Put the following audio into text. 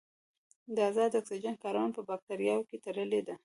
د ازاد اکسیجن کارونه په باکتریاوو کې تړلې ده.